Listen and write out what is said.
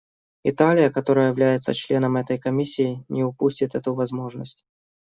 Италия, которая является членом этой Комиссии, не упустит эту возможность.